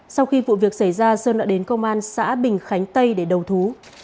sau khi vụ việc xảy ra sơn đã đến công an xã bình khánh tây để đầu thú